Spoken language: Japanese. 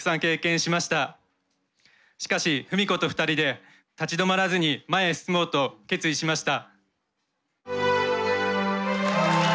しかし富美子と２人で立ち止まらずに前へ進もうと決意しました。